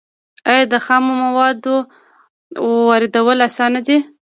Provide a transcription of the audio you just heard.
آیا د خامو موادو واردول اسانه دي؟